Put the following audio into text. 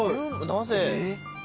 なぜ？